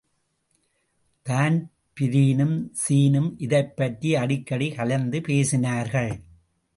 தான்பிரீனும் ஸீனும் இதைப்பற்றி அடிக்கடி கலந்துபேசினார்கள்.